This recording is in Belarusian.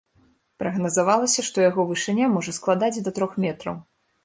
Прагназавалася, што яго вышыня можа складаць да трох метраў.